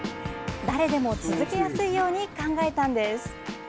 誰でも続けやすいように考えたんです。